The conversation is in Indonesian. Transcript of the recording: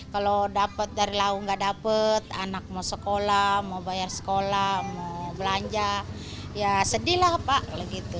kalau dapat dari lau nggak dapat anak mau sekolah mau bayar sekolah mau belanja ya sedih lah pak